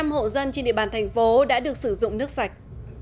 một trăm linh hộ dân trên địa bàn thành phố đã được sử dụng nước sạch